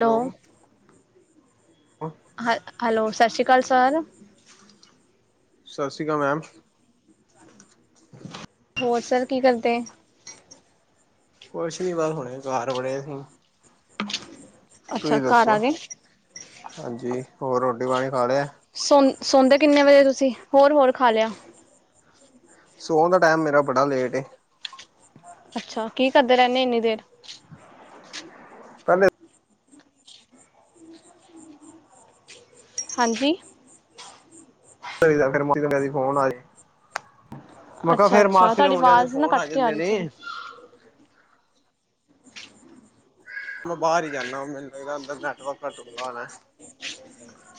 Hello ਹ hello. ਸਤਿ ਸ਼੍ਰੀ ਅਕਾਲ ਸਰ। ਸਤਿ ਸ੍ਰੀ ਅਕਾਲ ਮੈਮ। ਹੋਰ ਸਰ ਕੀ ਕਰਦੇ ਐ? ਕੁਛ ਨੀ ਬਸ। ਹੁਣੇ ਘਰ ਬੜੇ ਸਾ। ਅੱਛਾ ਤੁਸੀਂ ਘਰ ਦੱਸੋ, ਆ ਗਏ, ਹਾਂਜੀ ਹੋਰ ਰੋਟੀ ਪਾਣੀ ਖਾ ਲਿਆ? ਸੌ ਸੌਦੇ ਕਿੰਨੇ ਵਜੇ ਤੁਸੀਂ? ਹੋਰ- ਹੋਰ ਖਾ ਲਿਆ। ਸੋਣ ਦਾ ਟਾਈਮ ਮੇਰਾ ਬੜਾ ਲੇਟ ਐ। ਅੱਛਾ ਕੀ ਕਰਦੇ ਰਹਿੰਦੇ ਇੰਨੀ ਦੇਰ? ਪਹਿਲੇ ਹਾਂਜੀ। ਫੇਰ ਮੰਮੀ ਦਾ ਕਹਿੰਦੇ ਫੋਨ ਆਜੇ। ਮੈਂ ਕਿਹਾ ਫੇਰ ਅੱਛਾ-ਅੱਛਾ ਮਾਸੀ ਦੇ ਤੁਹਾਡੀ ਮੁੰਡਿਆਂ ਦੇ ਆਵਾਜ਼ ਨਾ ਫੋਨ ਆ ਕੱਟ ਕੇ ਜਾਂਦੇ ਰਹੀ ਥੋੜੀ, ਨੇ। ਮੈਂ ਬਾਹਰ ਹੀ ਜਾਂਨਾ। ਮੈਨੂੰ ਲੱਗਦਾ ਅੰਦਰ ਨੇਟਵਰਕ ਘੱਟ ਹੁੰਦਾ ਹੋਣਾ ਏ।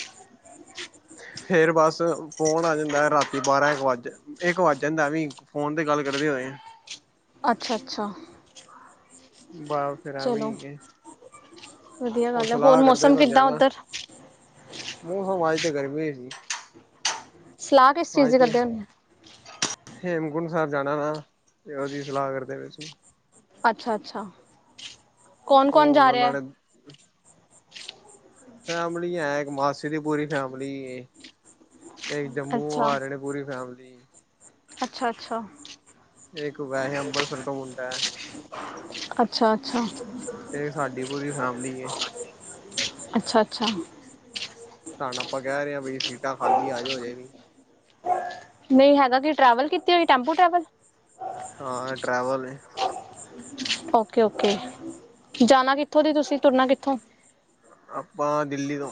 [unintelligible] ਫੇਰ ਬਸ ਫੋਨ ਆ ਜਾਂਦਾ ਰਾਤੀ, ਬਾਰਾਂ- ਇੱਕ ਵੱਜ ਇੱਕ ਵੱਜ ਜਾਂਦਾ ਐਵੀ ਫੋਨ 'ਤੇ ਗੱਲ ਕਰਦੇ ਹੋਏ ਅੱਛਾ- ਅੱਛਾ। ਬਾਹਰ ਫਿਰ ਚਲੋ ਐਵੀਂ ਗਏ। ਵਧੀਆ ਉਹ ਗੱਲ ਹੈ, ਹੋਰ ਸਲਾਹ ਕਰਦੇ ਪਏ ਮੌਸਮ ਹੁੰਦੇ ਆ। ਕਿੱਦਾਂ ਨਾ ਉੱਧਰ? ਮੌਸਮ ਅੱਜ ਤੇ ਗਰਮੀ ਐ ਜੀ। ਸਲਾਹ ਕਿਸ ਚੀਜ਼ ਦੀ ਕਰਦੇ ਹੋ? ਹੇਮਕੁੰਟ ਸਾਹਿਬ ਜਾਣਾ ਨਾ ਤੇ ਉਹਦੀ ਸਲਾਹ ਕਰਦੇ ਪਏ ਸੀ। ਅੱਛਾ-ਅੱਛਾ, ਕੌਣ-ਕੌਣ ਉਹ ਹੁਣ ਜਾ ਉਹਨਾਂ ਰੇਆ? ਨੇ ਫੈਮਿਲੀ ਐ ਇੱਕ ਮਾਸੀ ਦੀ ਪੂਰੀ ਫੈਮਿਲੀ ਏ ਇੱਕ ਜੰਮੂ ਅੱਛਾ, ਆ ਰੇ ਨੇ। ਪੂਰੀ ਫੈਮਿਲੀ। ਅੱਛਾ-ਅੱਛਾ। ਇੱਕ ਵੈਹੇ ਅੰਬਰਸਰ ਤੋਂ ਮੁਂਡਾ ਐ। ਅੱਛਾ-ਅੱਛਾ। ਤੇ ਸਾਡੀ ਪੂਰੀ ਫੈਮਿਲੀ ਏ। ਅੱਛਾ-ਅੱਛਾ। ਤਾਨੂੰ ਆਪਾਂ ਕੈ ਰਹੇ ਆਂ ਭਈ ਸੀਟਾਂ ਖਾਲੀ ਏ ਆਜੋ ਅਜੇ ਵੀ। ਨਈ ਹੈਗਾ ਕੀ ਟਰੈਵਲ ਕੀਤੀ ਹੋਈ ਟੈਂਪੂ ਟਰੈਵਲ। ਹਾਂ ਐ ਟੈਰਵਲ ਏ। ਓਕੇ-ਓਕੇ ਜਾਣਾ ਕਿੱਥੋਂ ਦੀ ਤੁਸੀਂ ਤੁਰਨਾ ਕਿੱਥੋਂ? ਆਪਾਂ ਦਿੱਲੀ ਤੋਂ।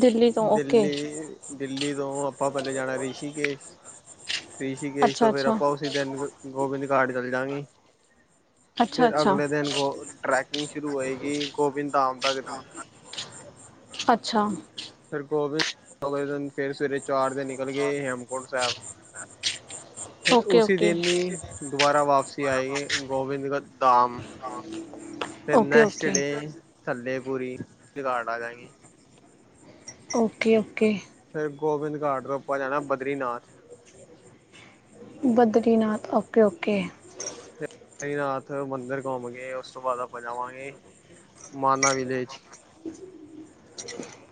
ਦਿੱਲੀ ਤੋਂ ਓਕੇ ਦਿੱਲੀ ਦਿੱਲੀ ਤੋਂ ਆਪਾਂ ਪੈਲੇ ਆਪਾ ਜਾਣਾ ਰਿਸ਼ੀਕੇਸ਼, ਰਿਸ਼ੀਕੇਸ਼ ਅੱਛਾ ਤੋਂ ਫੇਰ ਅੱਛਾ ਆਪਾਂ ਉਸੀ ਟੈਮ ਗੋਬਿੰਦ ਘਾਟ ਚੱਲ ਜਾਗੀ ਅੱਛਾ ਫਿਰ ਅੱਛਾ ਅਗਲੇ ਦਿਨ ਗੋ ਟਰੈਕ ਤੇ ਸ਼ੁਰੂ ਹੋਏਗੀ ਗੋਬਿੰਦ ਧਾਮ ਤੱਕ ਦੀ। ਅੱਛਾ। ਫਿਰ ਗੋਬਿੰਦ [inaudible] ਫਿਰ ਸਵੇਰੇ ਚਾਰ ਵਜੇ ਨਿਕਲ ਗੇ ਹੇਮਕੁੰਟ ਸੈਬ। ਅੱਛ ਫਿਰ ਉਸੀ ਦਿਨ ਈ ਦੋਬਾਰਾ ਵਾਪਸੀ ਆਏਗੇ ਗੋਬਿੰਦ ਧਾਮ। ਫਿਰ ਨੈਕਸਟ ਓਕੇ-ਓਕੇ। ਡੇ ਥੱਲੇ ਪੂਰੀ ਰਾਤ ਆ ਜਾਏਗੀ। ਓਕੇ-ਓਕੇ। ਫਿਰ ਗੋਬਿੰਦ ਘਾਟ ਤੋਂ ਆਪਾਂ ਜਾਣਾ ਬਦਰੀਨਾਥ। ਬਦਰੀਨਾਥ ਓਕੇ-ਓਕੇ। ਬਦਰੀਨਾਥ ਮੰਦਰ ਕੋਮ ਕੇ ਓਸ ਤੋਂ ਬਾਅਦ ਆਪਾਂ ਜਾਵਾਂਗੇ ਮਾਨਾ ਵਿਲੇਜ।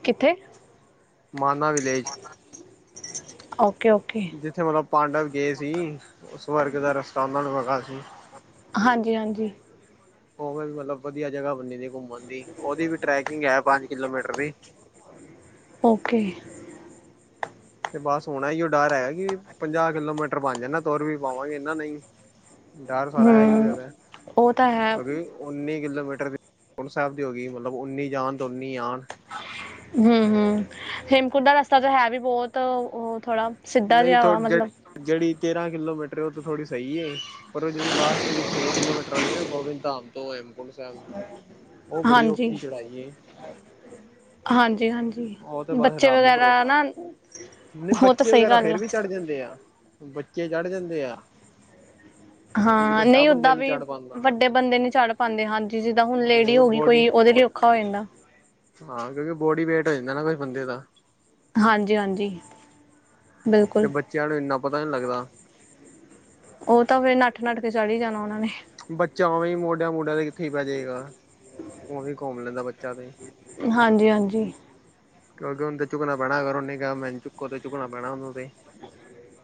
ਕਿੱਥੇ? ਮਾਨਾ ਵਿਲੇਜ। ਓਕੇ, ਓਕੇ ਜਿੱਥੇ ਮਤਲਬ ਪਾਂਡਵ ਗਏ ਸੀ ਉ ਸਵਰਗ ਦਾ ਰਸਤਾ ਉਹਨਾ ਨੂੰ ਹੈਗਾ ਸੀ। ਹਾਂਜੀ, ਹਾਂਜੀ ਉਹਵੇ ਮਤਲਬ ਵਧੀਆ ਜਗ੍ਹਾ ਬੰਨੀ ਦੀ ਘੁੰਮਣ ਦੀ, ਉਹਦੀ ਵੀ ਟਰੈਵਿੰਗ ਹੈ ਪੰਜ ਕਿਲੋਮੀਟਰ ਦੀ। ਓਕੇ, ਤੇ ਬਸ ਹੁਣਾ ਈਓ ਡਰ ਹੈ ਕਿ ਪੰਜਾਹ ਕਿਲੋਮੀਟਰ ਬਣ ਜਾਣਾ ਤੁਰ ਵੀ ਪਾਵਾਂਗੇ ਕੇ ਨਹੀਂ। ਡਰ ਸਾਰਾ ਐ ਹੀ ਔ ਹੂੰ ਹੈਗਾ। ਹੈ ਉਹ ਤਾਂ ਹੈ ਕੀ ਨਈ ਉੱਨੀ ਕਿਲੋਮੀਟਰ ਹੇਮਕੁੰਟ ਸਾਹਿਬ ਦੀ ਹੋ ਗਈ, ਮਤਲਬ ਉੱਨੀ ਜਾਣ ਤੇ ਉੱਨੀ ਆਣ। ਹੂ ਹੂ ਹੇਮਕੁੰਟ ਦਾ ਰਸਤਾ ਤਾਂ ਹੈ ਵੀ ਬਹੁਤ ਔ ਥੋੜਾ। ਨਹੀ ਤਾਂ ਜਿਹੜੀ ਤੇਰਾਂ ਕਿਲੋਮੀਟਰ ਉਹ ਤਾਂ ਥੋੜ੍ਹੀ ਸਹੀ ਏ। ਪਹ ਉਹ ਜੇੜੀ ਲਾਸਟ ਦੀ ਛੇ ਕਿਲੋਮੀਟਰ ਵਾਲੀ ਹੈ ਨਾ, ਗੋਬਿੰਦ ਧਾਮ ਤੋਂ ਹੇਮਕੁੰਡ ਸਾਹਿਬ। [inaudible] ਉਹ ਬੜੀ ਹਾਂਜੀ ਔਖੀ ਚੜਾਈ ਏ। ਹਾਂਜੀ, ਹਾਂਜੀ ਉਹ ਤੇ ਬਸ ਬੱਚੇ ਰੱਬ ਵਗੈਰਾ ਭਰੋਸੇ ਨਾ ਨਹੀਂ ਹੋ ਤਾਂ ਬੱਚੇ ਸਹੀ ਵਗੈਰਾ ਗੱਲ ਫੇਰ ਆ ਵੀ ਚੜ੍ਹ ਜਾਂਦੇ ਆ ਬੱਚੇ ਚੜ੍ਹ ਜਾਂਦੇ ਆ। ਹਾਂ ਵੱਡਾ ਨਹੀਂ ਬੰਦਾ ਓਦਾਂ ਨੀ ਵੀ ਚੜ ਪਾਂਦਾ ਵੱਡੇ ਬੰਦੇ ਨੀ ਚੜ੍ਹ ਪਾਂਦੇ ਹਨ, ਜਿਵੇਂ ਹੁਣ ਲੇਡੀ ਹੋ ਗਈ ਬੋਡੀ ਕੋਈ ਉਹਦੇ ਲਈ ਔਖਾ ਹੋ ਜਾਂਦਾ। ਹਾਂ ਕਿਉਂਕਿ ਬੋਡੀ ਵੇਟ ਹੋ ਜਾਂਦਾ ਨਾ ਕੂਛ ਬੰਦੇ ਦਾ। ਹਾਂ ਜੀ, ਹਾਂ ਜੀ, ਤੇ ਬਿਲਕੁਲ। ਬੱਚਿਆਂ ਨੂੰ ਇੰਨਾ ਪੱਤਾ ਨਹੀਂ ਲੱਗਦਾ। ਉਹ ਤਾਂ ਫਿਰ ਨੱਠ -ਨੱਠ ਕੇ, ਚੜ੍ਹ ਹੀ ਜਾਣਾ ਉਹਨਾ ਨੇ। ਬੱਚਾ ਉਵੇ, ਮੋਢਿਆਂ- ਮੋਢਿਆਂ ਤੇ ਕਿੱਥੇ ਹੀ ਪੈ ਜਾਵੇਗਾ, ਉਵੇਂ ਘੁੰਮ ਲੈਂਦਾ ਬੱਚਾ ਤੇ। ਹਾਂ ਜੀ, ਹਾਂ ਜੀ, ਕਿਉਂਕਿ ਉਨੂੰ ਤੇ ਚੁੱਕਣਾ ਪੈਣਾ ਹੇ, ਅਗਰ ਉਹਨੇ ਕਿਹਾ ਮੈਨੂੰ ਚੁਕੋ ਤੇ, ਚੁੱਕਣਾ ਪੈਣਾ ਉਹਨੂੰ ਤੇ।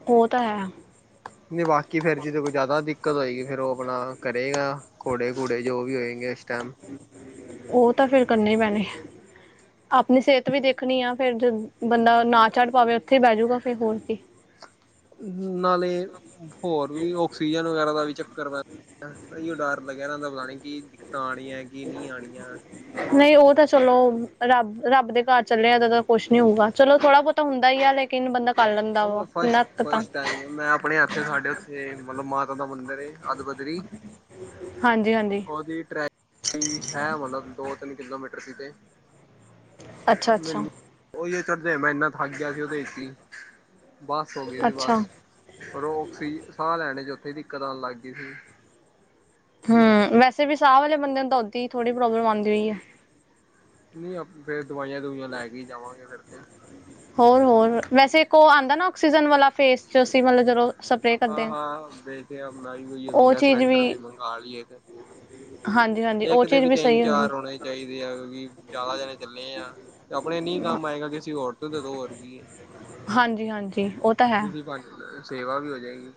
ਉਹ ਤਾਂ ਹੈ। ਨਹੀਂ, ਬਾਕੀ ਫਿਰ ਇਨ ਚਿਜੋ ਤੇ ਜ਼ਿਆਦਾ ਦਿੱਕਤ ਹੋਵੇਗੀ, ਫਿਰ ਉਹ ਆਪਣਾ ਕਰੇਗਾ ਘੋੜੇ -ਘੋੜੇ ਜੋ ਵੀ ਹੋਏਂਗੇ ਉਸ ਟਾਈਮ। ਉਹ ਤਾਂ ਫਿਰ ਕਰਨੀੇ ਹੀ ਪੈਣੇ, ਆਪਣੀ ਸਿਹਤ ਵੀ ਦੇਖਨੀ ਆ। ਫੇਰ ਜਦ ਬੰਦਾ ਨਾ ਚੜ ਪਾਵੇ, ਉਥੈ ਬੇਹਜੂਗਾ ਫਿਰ ਹੋਰ ਕੀ। ਨਾਲੇ, ਹੋਰ ਵੀ ਉਹ ਸੀਜਨ ਵਗੈਰਾ ਦਾ ਵੀ ਚੱਕਰ ਪੈਂਦਾ, ਏਹੀ ਡਰ ਲੱਗਿਆ ਰਹਿੰਦਾ, ਪਤਾ ਨਹੀਂ ਕਿ ਦਿੱਕਤਾਂ ਆਣੀਆਂ ਐ। ਕੀ ਨੀ ਆਣੀਆਂ। ਨਹੀਂ ਉਹ ਤਾਂ ਚਲੋ, ਰੱਬ-ਰੱਬ ਦੇ ਘਰ ਚੱਲਿਆ ਏਦਾਂ ਤਾਂ ਕੁਝ ਨਹੀਂ ਹੋਊਗਾ। ਚਲੋ, ਥੋੜ੍ਹਾ-ਬਹੁਤਾ ਹੁੰਦਾ ਹੀ ਆ, ਲੇਕਿਨ ਬੰਦਾ ਕਰ ਲੈਂਦਾ ਵਾ ਇੰਨਾ ਕੁ ਤਾਂ। ਕਈ ਵਾਰੀ ਮੈਂ ਆਪ ਆਪਣੇ ਹੱਥ ਸਾਡੇ ਉੱਥੇ ਮਤਲਬ ਮਾਤਾ ਦਾ ਮੰਦਰ ਏ, ਅੱਧ ਬੱਧਰੀ ਹਾਂ ਜੀ, ਹਾਂ ਜੀ, ਉਹਦੀ ਟ੍ਰੈਕਿੰਗ ਹੈ, ਮਤਲਬ ਦੋ- ਤਿੰਨ ਕਿਲੋਮੀਟਰ ਦੀ ਤੇ ਅੱਛਾ ਅੱਛਾ ਮੈਨੂੰ ਉਹੀ ਚੜ੍ਹਦੇ ਮੈਂ ਇੰਨਾ ਥੱਕ ਗਿਆ ਸੀ, ਉਹਦੇ ਵਿਚ ਹੀ। ਬਸ ਹੋ ਗਈ ਸੀ ਅੱਛਾ ਬਸ, ਫਿਰ ਓ ਔਕਸੀਜਨ ਸਾਹ ਲੈਣੇ ਚ ਉੱਥੈ ਦਿੱਕਤ ਆਉਣ ਲੱਗ ਗਈ ਸੀ। ਹੂੰ, ਵੈਸੇ ਵੀ ਸਾਹ ਵਾਲੇ ਬੰਦੇ ਨੂੰ ਉੱਥੇ ਹੀ ਥੋੜ੍ਹੀ ਪ੍ਰੋਬਲਮ ਆਉਂਦੀ ਐ। ਨਹੀਂ, ਆਪੇ ਦਵਾਈਆਂ-ਦੁਵਾਈਆਂ ਲੈ ਕੇ ਜਾਵਾਂਗੇ ਫਿਰ ਤੇ। ਹੋਰ- ਹੋਰ, ਵੈਸੇ ਇੱਕ ਉਹ ਆਉਂਦਾ ਨਾ, ਆਕਸੀਜਨ ਵਾਲਾ ਫੇਸ ਚ ਅਸੀਂ ਮਤਲਬ ਜਦੋਂ- ਸਪਰੇਅ ਹਾਂ- ਕਰਦੇ ਆ। ਹਾਂ, ਦੇਖੇ ਰਿਹਾ ਮੈ ਵੀ ਉਹੀ ਓ ਵੇਖ ਉਹ ਰਿਹਾ ਸਿਲੰਡਰ ਵੀ ਮੰਗਵਾ ਲਈਏ ਫਿਰ। ਹਾਂ ਜੀ, ਹਾਂ ਜੀ, ਉਹ ਚੀਜ਼ ਵੀ ਸਹੀ ਹੁੰਦੀ। ਚਾਰ ਹੋਣੇ ਚਾਹੀਦੇ ਆ ਕੀ ਜ਼ਿਆਦਾ ਜਾਣੇ ਚੱਲੇ ਆਂ, ਤਾਂ ਆਪਣੇ ਨਹੀਂ ਕੰਮ ਆਏਗਾ ਕਿਸੇ ਹੋਰ ਤੋਂ ਦੇਦੋ ਹੋਰ ਕੀ ਏ। ਹਾਂ ਜੀ, ਹਾਂ ਜੀ, ਉਹ- ਤਾਂ ਹੈ। ਇਸੇ ਬਹਾਨੇ ਅ ਸੇਵਾ ਵੀ ਹੋ ਜਾਏਗੀ।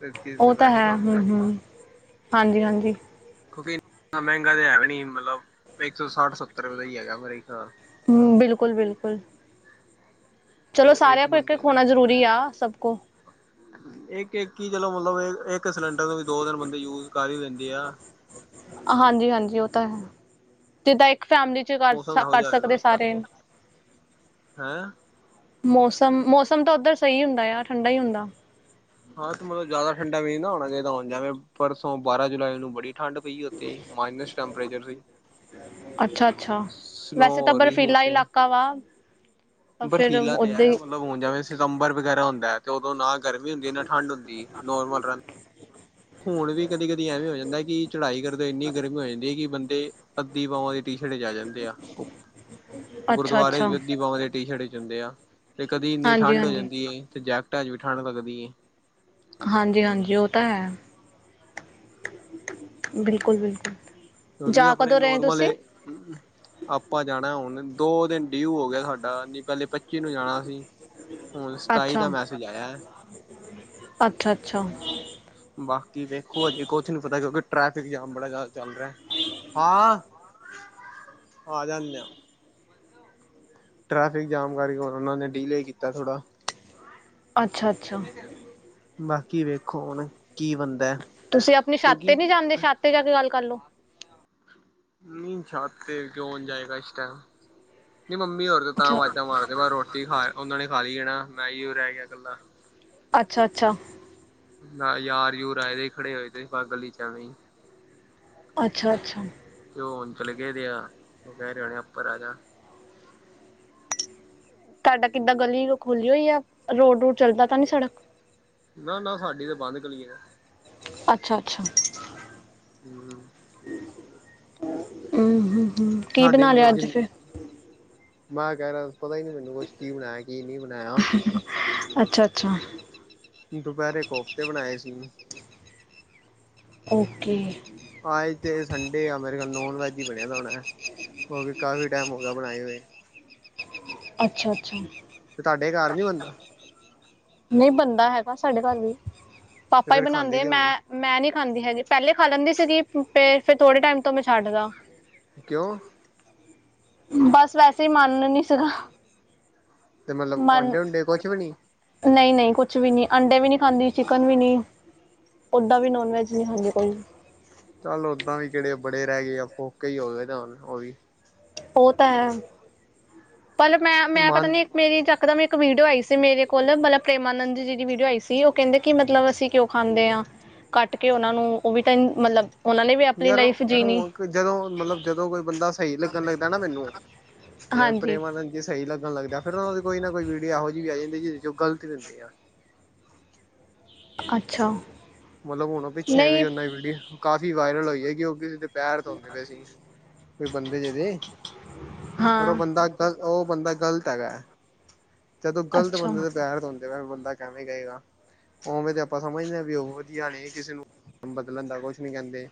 ਤੇ ਕਿਸੇ ਦੇ ਉਹ ਤਾਂ ਵੈਸੇ ਹੈ, ਕੰਮ ਹੂੰ ਵੀ ਹੋ ਜਾਏ ਹੂੰ ਹਾ ਜੀ, ਹਾਂ ਜੀ, ਕਿਉਂਕਿ ਇੰਨਾ ਮਹਿੰਗਾ ਤਾਂ ਹੈ ਵੀ ਨਹੀਂ, ਮਤਲਬ ਇੱਕ ਸੌ ਸੱਠ-ਸੱਤਰ ਰੁਪਏ ਦਾ ਹੀ ਹੈਗਾ ਮੇਰੇ ਖ਼ਿਆਲ। ਹੂੰ ਬਿਲਕੁਲ- ਬਿਲਕੁਲ। ਚਲੋ, ਤੇ ਸਾਰਿਆਂ ਕੋਲ ਇੱਕ- ਇੱਕ ਹੋਣਾ ਜ਼ਰੂਰੀ ਆ ਸਭ ਕੋਲ। ਇੱਕ-ਇੱਕ ਹੀ ਚਲੋ, ਮਤਲਬ ਇੱਕ ਸਿਲੰਡਰ ਨੂੰ ਵੀ ਦੋ- ਤਿੰਨ ਬੰਦੇ ਯੁਜ਼ ਕਰ ਈ ਲੈਦੇ ਆ। ਹਾਂ ਜੀ, ਹਾਂ ਜੀ ਉਹ ਤਾਂ ਹੈ, ਜਿੱਦਾਂ ਇੱਕ ਫੈਮਲੀ- ਚ' ਕਰ ਮੌਸਮ ਇਹੋ ਸਕ-ਕਰ ਜਿਹਾ ਸਕਦੇ ਹੋਏਗਾ ਸਾਰੇ। ਹੈਂ ਮੌਸਮ- ਮੌਸਮ, ਤਾਂ ਉੱਧਰ ਸਹੀ ਹੁੰਦਾ ਆ ਠੰਡਾ ਹੀ ਹੁੰਦਾ। ਹਾਂ ਤੇ ਮਤਲਬ ਜ਼ਿਆਦਾ ਠੰਡਾ ਵੀ ਨਾ ਹੋਣਾ ਚਾਹੀਦਾ ਹੁਣ ਜੇਵੇਂ, ਪਰਸੋਂ ਬਾਰਾਂ ਜੁਲਾਈ ਨੂੰ ਬੜੀ- ਠੰਡ ਪਈ ਉੱਥੇ, ਮਾਈਨਸ ਟੈਂਪਰੇਚਰ ਸੀ। ਅੱਛਾ-ਅੱਛਾ, ਸਨੋ ਵੈਸੇ ਤਾਂ ਹੋ ਰਹੀ ਸੀ ਬਰਫ਼ੀਲਾ ਉੱਥੇ ਇਲਾਕਾ ਵਾ। ਤਾਂ ਫਿਰ ਬਰਫ਼ੀਲਾ ਤੇ ਓਦਾਂ ਹੈ ਈ ਮਤਲਬ ਹੁਣ ਜਿਵੇਂ ਸਿਤੰਬਰ ਵਗੈਰਾ ਹੁੰਦਾ ਅ ਤੇ ਉਦੋਂ ਨਾ ਗਰਮੀ ਹੁੰਦੀ, ਨਾ ਠੰਢ ਹੁੰਦੀ ਨੋਰਮਲ ਰਹਿੰਦਾ। ਹੁਣ ਵੀ ਕਦੀ- ਕਦੀ ਐਵੇਂ ਹੋ ਜਾਂਦਾ ਕੀ ਚੜ੍ਹਾਈ ਕਰਦੇ ਇੰਨੀ ਗਰਮੀ ਹੋ ਜਾਂਦੀ ਏ ਕੀ ਬੰਦੇ- ਅੱਧੀ ਬਾਵਾਂ ਦੀ ਟੀ-ਸ਼ਰਟ ਚ ਆ ਜਾਂਦੇ ਆ ਓ। ਅੱਛਾ ਗੁਰਦੁਆਰੇ ਅੱਛਾ ਵਿਚ ਵੀ ਅੱਧੀ ਬਾਂਵਾ ਦੀ ਟੀ-ਸ਼ਰਟ ਚ ਹੁੰਦੇ ਆ, ਤੇ ਕਦੀ ਇੰਨੀ ਹਾਂਜੀ ਠੰਢ ਹੋ ਹਾਂਜੀ ਜਾਂਦੀ ਏ ਤੇ ਜੈਕਟਾ ਇਚ ਵੀ ਠੰਡ ਲੱਗਦੀ ਏ ਤੇ ਹਾਂਜੀ-ਹਾਂਜੀ ਓ ਤਾਂ ਹੈ ਬਿਲਕੁਲ-ਬਿਲਕੁਲ। ਕਿਉਂਕਿ ਜਾ ਆਪਣੇ ਕਦੋਂ ਰਏਂ ਨੋਰਮਲ ਤੁਸੀਂ? [inaudible] ਆਪਾਂ ਜਾਣਾ ਹੁਣ, ਦੋ ਦਿਨ ਡਿਊ ਹੋ ਗਯਾ ਸਾਡਾ ਨੀ ਪੈਲੇ ਪੱਚੀ ਨੂੰ ਜਾਣਾ ਸੀ। ਹੁਣ ਸੱਤਾਈ ਦਾ ਮੈਸੇਜ ਆਯਾ। ਅੱਛਾ-ਅੱਛਾ। ਬਾਕੀ ਦੇੇਖੋ ਹੱਜੇ ਕੁਛ ਨੀ ਪਤਾ, ਕਿਉਂਕਿ ਟ੍ਰੈਫਿਕ ਜਾਮ ਬੜਾ ਜ਼ਿਆਦਾ ਚੱਲ ਰੇਆ। ਹਾਂ, ਆਜੋ ਆ ਜਾਣੇ ਆ। ਟ੍ਰੈਫਿਕ ਜਾਮ ਕਰਕੇ ਹੁਣ ਓਨਾਂ ਨੇ ਡੀਲੇ ਕੀਤਾ ਥੋੜ੍ਹਾ ਅੱਛਾ-ਅੱਛਾ। ਬਾਕੀ ਵੇਖੋ ਹੁਣ ਕੀ ਬਣਦਾ ਤੁਸੀਂ ਆਪਣੀ ਛੱਤ ਕਿਉਂਕਿ ਤੇ ਨੀ ਜਾਂਦੇ। ਛੱਤ ਤੇ ਜਾ ਕੇ ਗੱਲ ਕਰਲੋ ਨਈ ਛੱਤ ਤੇ ਕਿਉਂ ਜਾਏਗਾ ਇਸ ਟੈਮ। ਨਈ ਮੰਮੀ ਔਰ ਤਾਂ ਅੱਛਾ ਆਵਾਜ਼ਾਂ ਮਾਰਦੇ ਪੇ ਰੋਟੀ ਖਾ ਓਨਾ ਨੇ ਖਾ ਲੀ ਏ ਨਾ ਮੈਂ ਇਓ ਰੈ ਗਯਾ ਕੱਲਾ ਅੱਛਾ-ਅੱਛਾ। ਨਾ ਯਾਰ-ਯੂਰ ਆਏ ਦੇ ਖੜੇ ਹੋਏ ਤੇ ਬਾਰ ਗਲੀ ਚ ਐਵੇਂ ਅੱਛਾ-ਅੱਛਾ। ਲੋ ਹੋਨ ਚਲੇ ਗਏ ਦੇ ਆ। ਮੈਂ ਰੈ ਗਯਾ ਉੱਪਰ ਆਜਾ। ਤਾਡਾ ਕਿੱਦਾਂ ਗਲੀ ਖੁਲ੍ਹੀ ਨੂੰ ਹੋਈ ਆ ਰੋਡ-ਰੂਡ ਚੱਲਦਾ ਤਾਂ ਨੀ ਸੜਕ ਨਾ-ਨਾ ਸਾਡੀ ਤੇ ਬੰਦ ਗਲੀ ਏ। ਅੱਛਾ-ਅੱਛਾ। ਹੂੰ। ਉਂ ਹੂੰ ਸਾਡੇ ਮਤਲਬ ਜਿਨ ਮੈਂ ਐ ਕੈ ਰੇਆ ਪਤਾ ਈ ਨੀ ਮੈਨੂੰ ਕੁਛ ਕੀ ਬਣਾਯਾ ਕੀ ਨੀ ਬਣਾਯਾ ਅੱਛਾ-ਅੱਛਾ। ਦੋਪੈਰੇ ਕੋਫਤੇ ਬਣਾਏ ਸੀ। ਓਕੇ। ਆੱਜ ਤੇ ਸੰਡੇ ਆ। ਮੇਰੇ ਖਿਆਲ ਨੋਨ ਵੈਜ ਈ ਬਣਿਆ ਦਾ ਹੋਣਾ ਕਿਉਕ ਕਾਫੀ ਟੈਮ ਹੋ ਗਯਾ ਬਣਾਏ ਹੋਏ। ਅੱਛਾ-ਅੱਛਾ। ਤੇ ਤਾਡੇ ਕਾਰ ਨੀ ਬਨ ਨਈ ਬਨਦਾ ਹੈਗਾ ਸਾਡੇ ਕੱਰ ਵੀ। ਤੇ ਪਾਪਾ ਈ ਫੇਰ ਖਾਂਦੇ ਬਣਾਦੇ ਕਿਉਂ ਮੈਂ ਨੀ ਮੈਂ ਨੀ ਖਾਂਦੀ ਹੈਗੀ, ਪੈਲੇ ਖਾ ਲੈਂਦੀ ਸੀਗੀ ਫੇਰ-ਫੇਰ ਥੋੜ੍ਹੇ ਟਾਈਮ ਤੋਂ ਮੈਂ ਛੱਡਦਾ। ਕਿਓ? ਬਸ ਵੈਸੇ ਈ ਮੰਨ ਨੀ ਸੀਗਾ ਤੇ ਮਤਲਬ ਮੰਨ ਆਂਡੇ ਉਂਡੇ ਕੁਛ ਵੀ ਨੀ ਨਈ-ਨਈ ਕੁਛ ਵੀ ਨੀ ਅੰਡੇ ਵੀ ਨੀ ਖਾਂਦੀ ਚਿਕਨ ਵੀ ਨੀ। ਓਦਾ ਵੀ ਨੋਨ ਵੈਜ ਨੀ ਖਾਂਦੀ ਕੋਈ। ਚੱਲ ਓਦਾਂ ਵੀ ਕੇੜੇ ਬੜੇ ਰੈ ਗਏ ਆ ਫੋਕੇ ਈ ਹੋਗੇ ਹੁਣ ਓ ਵੀ। ਓ‌ ਤਾਂ ਹੈ। ਪਲ ਮੈਂ-ਮੈਂ ਪਤਾ ਮਨ ਨੀ ਮੇਰੀ ਯੱਕ ਦਮ ਇੱਕ ਵੀਡੀਓ ਆਈ ਸੀ ਮੇਰੇ ਕੋਲ ਪਲ ਪ੍ਰੇਮਾਨੰਦ ਜੀ ਦੀ ਵੀਡੀਓ ਆਈ ਸੀ ਓ ਕੈੰਦੇ ਕਿ ਮਤਲਬ ਅਸੀਂ ਕਿਉਂ ਖਾਂਦੇ ਆ ਕੱਟ ਕੇ ਓਨਾ ਨੂੰ ਓ ਵੀ ਤਾਂ ਮਤਲਬ ਉਹਨਾਂ ਨੇ ਵੀ ਆਪਣੀ ਯਾਰ ਲਾਈਫ ਜੀਣੀ ਹੁਣ ਜਦੋਂ ਮਤਲਬ ਜਦੋਂ ਕੋਈ ਬੰਦਾ ਸਹੀ ਲੱਗਣ ਲੱਗਦਾ ਨਾ ਮੈਨੂੰ ਯਾਰ ਹਾਂਜੀ ਪ੍ਰੇਮਾਨੰਦ ਜੀ ਸੀ ਸਹੀ ਲਗਣ ਲੱਗਦਾ, ਫੇਰ ਓਨਾਂ ਦੀ ਕੋਈ ਨਾ ਕੋਈ ਵੀਡੀਓ ਏਹੋ ਜਿਵੀ ਆ ਜਾਂਦੀ ਜਿਦੇ ਚ ਉਹ ਗਲਤ ਰਹਿੰਦੇ ਆ ਅੱਛਾ। ਮਤਲਬ ਹੁਣ ਓ ਪਿੱਛੇ ਵੀ ਨਹੀਂ ਓਨਾ ਦੀ ਵੀਡੀਓ ਕਾਫੀ ਵਾਇਰਲ ਹੋਈ ਐ ਕਿ ਓਹ ਕਿਸੇ ਦੇ ਪੈਰ ਧੋਂਦੇ ਪਏ ਸੀ। ਕੋਈ ਬੰਦੇ ਜਏ ਦੇ ਪਰ ਉਹ ਹਾਂ ਬੰਦਾ ਗ ਓ ਬੰਦਾ ਗ਼ਲਤ ਹੈਗਾ, ਜਦੋਂ ਗ਼ਲਤ ਅੱਛਾ ਬੰਦੇ ਦੇ ਪੈਰ ਧੋ ਜਿਵੇ ਬੰਦਾ ਕੇਵੇਂ ਗਏਗਾ, ਉਵੇਂ ਤੇ ਆਪਾਂ ਸਮਝਦੇ ਹਾਂ ਵੀ ਉਹ ਵਧੀਆ ਨੇ ਕਿਸੇ ਨੂੰ ਬਦਲਣ ਦਾ ਕੁਛ ਨੀ ਕੇਂਦੇ,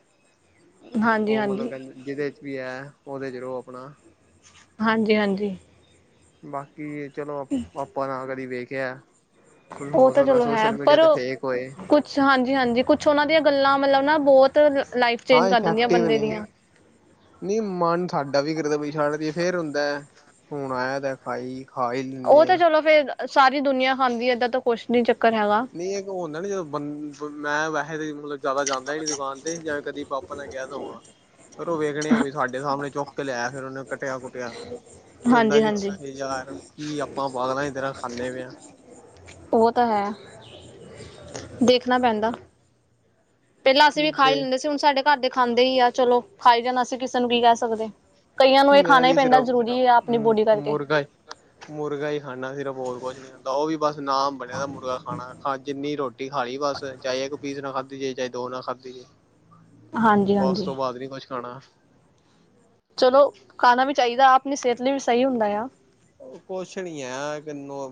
ਹਾਂਜੀ ਓ ਮਤਲਬ ਹਾਂਜੀ ਕੇਂਦੇ ਜਿਦੇ ਚ ਵੀ ਐ, ਓਦੇ ਚ ਰਹੋ ਆਪਣਾ ਹਾਂਜੀ-ਹਾਂਜੀ। ਬਾਕੀ ਚਲੋ, ਆਪਾਂ ਨਾ ਕਦੀ ਵੇਖਿਆ ਹੁਣ ਓ ਹੋ ਤਾਂ ਸਕਦਾ ਚਲੋ ਹੈ ਸੋਸ਼ਲ ਮੀਡੀਆ ਪਰ ਤੇ ਓ ਫੇਕ ਹੋਏ ਕੁਝ ਹਾਂਜੀ-ਹਾਂਜੀ, ਕੁਛ ਉਹਨਾਂ ਦੀਆਂ ਗੱਲਾਂ ਮਤਲਬ ਨਾ ਬੋਤ ਲਾਈਫ ਚੇਂਜ ਕਰ ਦਿੰਦੀਆਂ ਬੰਦੇ ਦੀਆਂ। ਨੀ ਮਨ ਸਾਡਾ ਵੀ ਕਰਦਾ ਛੱਡ ਦਈਏ ਫੇਰ ਹੁੰਦਾ ਐ ਹੁਣ ਆਇਆ ਤਾਂ ਖਾਈ ਖਾ ਹੀ ਓ ਲੈਂਦੇ ਤਾਂ ਆ ਚਲੋ ਫੇਰ ਸਾਰੀ ਦੁਨੀਆ ਖਾਂਦੀ ਏਦਾਂ ਤਾਂ ਕੁਛ ਨੀ ਚੱਕਰ ਹੈਗਾ। ਨਈ ਏਕ ਹੁੰਦਾ ਨੀ ਜਦੋਂ ਬੰ ਮੈਂ ਵੈਹੇ ਜਿਆਦਾ ਜਾਦਾਂ ਹੀ ਨੀ ਦੁਕਾਨ ਤੇ ਜਾਂ ਕਦੀ ਪਾਪਾ ਨਾਲ ਗਿਆ ਤਾਂ ਹੋਵਾਂ ਫਿਰ ਉਹ ਵੇਖਣੇ ਆ ਬਈ ਸਾਡੇ ਸਾਹਮਣੇ ਚੁੱਕ ਕੇ ਲਿਆ ਫਿਰ ਓਨੇ ਕਟਿਆ-ਕੁਟਿਆ। ਫੇਰ ਹੁੰਦਾ ਹਾਂਜੀ ਕਿ ਹਾਂਜੀ ਛੇ ਯਾਰ ਕੀ ਆਪਾਂ ਵਾਗਲਾਂ ਤਰਾਂ ਖਾਨੇ ਪਏ ਆ। ਓਹ ਤਾਂ ਹੈ, ਦੇਖਣਾ ਪੈਂਦਾ। ਪੈਲਾਂ ਅਸੀਂ ਵੀ ਖਾਈ ਤੇ ਲੈਂਦੇ ਸੀ। ਹੁਣ ਸਾਡੇ ਘਰ ਦੇ ਖਾਂਦੇ ਹੀ ਆ, ਚਲੋ ਖਾਈ ਜਾਣ ਅਸੀਂ ਕਿਸੇ ਨੂੰ ਕੀ ਕੇਹ ਸਕਦੇ ਆ। ਕਈਆਂ ਨੂੰ ਏਹ ਮੈਂ ਖਾਣਾ ਈ ਵੀ ਪੈਂਦਾ ਸਿਰਫ ਜ਼ਰੂਰੀ ਆ ਆਪਣੀ ਬੋਡੀ ਕਰਕੇ। ਮੁਰਗਾ ਹੀ ਮੁਰਗਾ ਹੀ ਖਾਂਣਾ ਸਿਰਫ਼ ਹੋਰ ਕੁਛ ਨੀ ਖਾਂਦਾ। ਓਵੀ ਬਸ ਨਾਮ ਬਣਿਆ ਦਾ ਮੁਰਗਾ ਖਾਣਾ। ਜਿੰਨੀ ਰੋਟੀ ਰੋਟੀ ਖਾ ਲਈ ਬਸ, ਚਾਹੇ ਏਕ ਪੀਸ ਨਾਲ ਖਾਂਦੀ ਜੇ, ਚਾਹੇ ਦੋ ਨਾਲ ਖਾਂਦੀ ਜੇ। ਹਾਂਜੀ ਬਸ ਉਸ ਹਾਂਜੀ ਤੋਂ ਬਾਅਦ ਨੀ ਕੁਛ ਖਾਣਾ। ਚਲੋ, ਖਾਣਾ ਵੀ ਚਾਈਦਾ। ਆਪਣੀ ਸਿਹਤ ਲਈ ਵੀ ਸਹੀ ਹੁੰਦਾ ਆ। ਓ ਕੁਛ ਨੀ ਏ, ਏਕ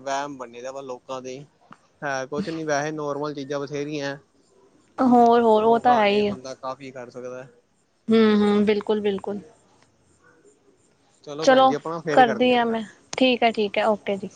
ਵੇਮ ਬੰਨੇ ਦੇ ਆ ਲੋਕਾਂ ਦੇ। ਹੈ ਕੁਛ ਨੀ ਵੇਹੇ ਨੋਰਮਲ ਚੀਜ਼ਾਂ ਬਥੇਰੀਆਂ ਐ। ਹੋਰ-ਹੋਰ ਓ ਤਾਂ ਹੈ ਹੀ ਐ। ਕਾਫੀ ਕਰ ਸਕਦਾ ਐ। ਹੂੰ-ਹੂੰ, ਬਿਲਕੁਲ-ਬਿਲਕੁਲ। ਚਲੋ, ਭੈਣ ਜੀ ਆਪਣਾ ਫੇਰ ਕਰਦੀ ਕਰਨੇ ਆ ਆਂ ਮੈ ਠੀਕ ਐ, ਠੀਕ ਐ, ਓਕੇ ਜੀ।